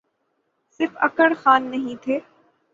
صرف اکڑ خان نہیں تھے۔